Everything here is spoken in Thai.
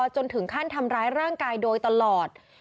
จนถึงขั้นทำร้ายร่างกายโดยตลอด